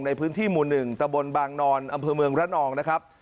ในพื้นที่หมู่๑ตะบนบางนอนอำเภอเมืองระนองนะครับ